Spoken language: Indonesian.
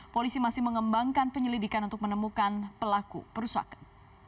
polisi masih mengembangkan penyelidikan untuk menemukan pelaku perusakan